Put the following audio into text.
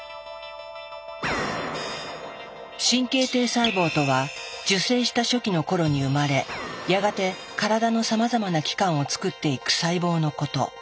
神経堤細胞とは受精した初期の頃に生まれやがて体のさまざまな器官をつくっていく細胞のこと。